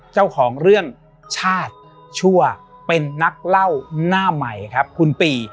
เจ้าของเรื่องชาติชั่วเป็นนักเล่าหน้าใหม่ครับคุณปี